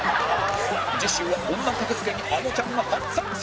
次週は女格付けにあのちゃんが初参戦